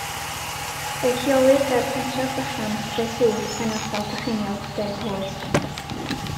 Fe'i lleolir ger pentref bychan Tretŵr yn ardal Brycheiniog, de Powys.